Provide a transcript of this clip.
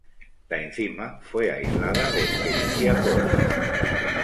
La enzima fue aislada de "Escherichia coli".